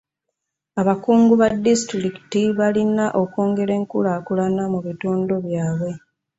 Abakungu ba disitulikiti balina okwongera enkulaakulana mu bitundu byabwe.